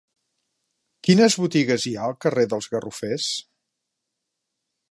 Quines botigues hi ha al carrer dels Garrofers?